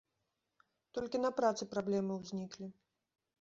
Толькі на працы праблемы ўзніклі.